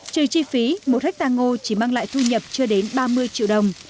trừ chi phí một hectare ngô chỉ mang lại thu nhập chưa đến ba mươi triệu đồng